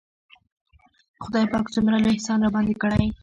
خداى پاک څومره لوى احسان راباندې کړى.